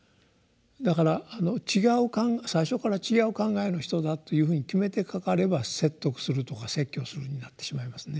だから最初から違う考えの人だというふうに決めてかかれば説得するとか説教するになってしまいますね。